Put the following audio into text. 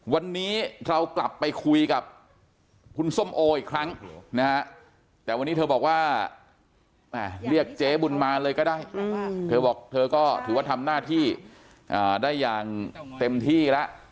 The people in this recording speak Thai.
วันนี้เรากลับไปคุยกับคุณส้มโออีกครั้งนะฮะแต่วันนี้เธอบอกว่าเรียกเจ๊บุญมาเลยก็ได้เธอบอกเธอก็ถือว่าทำหน้าที่ได้อย่างเต็มที่แล้ว